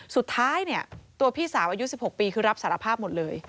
สุดท้ายเนี่ยตัวพี่สาวอายุ๑๖ปีคือรับสารภาพหมดเลย